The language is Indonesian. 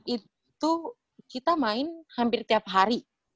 itu kita main hampir tiap hari